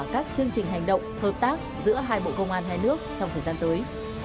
các chương trình hành động hợp tác giữa hai bộ công an hai nước trong thời gian tới